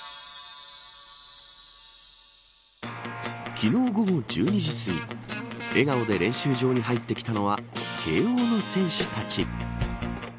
昨日午後１２時すぎ笑顔で練習場に入ってきたのは慶応の選手たち。